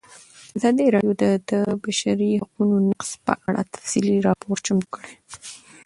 ازادي راډیو د د بشري حقونو نقض په اړه تفصیلي راپور چمتو کړی.